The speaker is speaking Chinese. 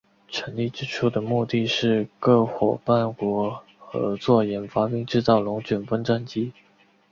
成立之初的目的是各夥伴国合作研发并制造龙卷风战机。